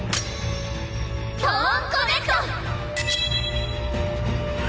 トーンコネクト！